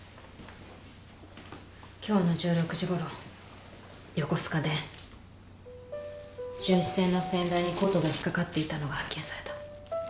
今日の１６時ごろ横須賀で巡視船のフェンダーにコートが引っ掛かっていたのが発見された。